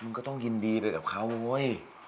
มันก็ต้องยินดีไปกับเขาเว้ย